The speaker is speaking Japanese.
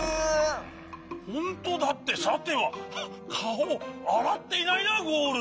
ほんとうだってさてはかおをあらっていないなゴールド。